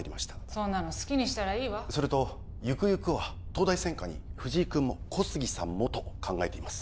そんなの好きにしたらいいわそれとゆくゆくは東大専科に藤井君も小杉さんもと考えています